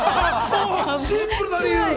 シンプルな理由。